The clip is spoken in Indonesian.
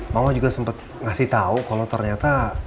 mama juga sempat ngasih tahu kalau ternyata